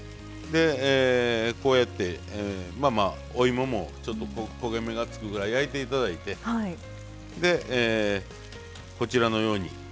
こうやってお芋もちょっと焦げ目がつくぐらい焼いて頂いてでこちらのように。